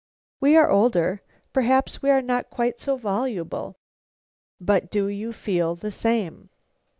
"We are older; perhaps we are not quite so voluble." "But do you feel the same?"